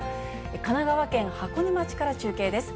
神奈川県箱根町から中継です。